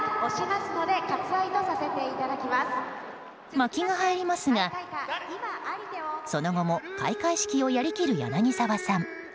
巻きが入りますが、その後も開会式をやりきる柳沢さん。